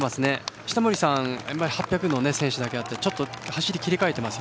下森さん８００の選手だけあってちょっと走りを切り替えています。